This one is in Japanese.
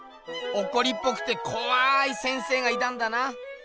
おこりっぽくてこわい先生がいたんだな。